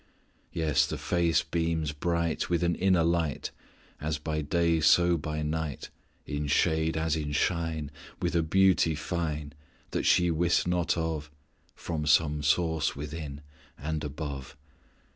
"Yes, the face beams bright With an inner light As by day so by night, In shade as in shine, With a beauty fine, That she wist not of, From some source within. And above.